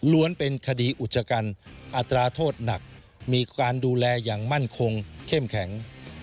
เป็นคดีอุจจกรรมอัตราโทษหนักมีการดูแลอย่างมั่นคงเข้มแข็ง